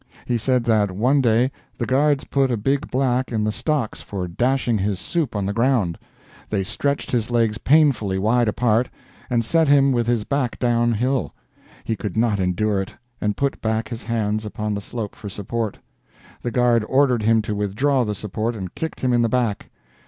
He said that one day the guards put a big black in the stocks for dashing his soup on the ground; they stretched his legs painfully wide apart, and set him with his back down hill; he could not endure it, and put back his hands upon the slope for a support. The guard ordered him to withdraw the support and kicked him in the back.